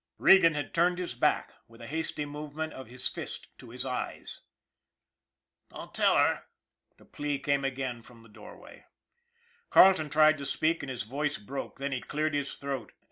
Regan had turned his back, with a hasty movement of his fist to his eyes. " Don't tell her " the plea came again from the doorway. Carleton tried to speak and his voice broke, then he cleared his throat.